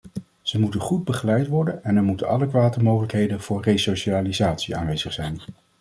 Ze moeten goed begeleid worden en er moeten adequate mogelijkheden voor resocialisatie aanwezig zijn.